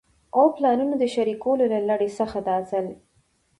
او پلانونو د شريکولو له لړۍ څخه دا ځل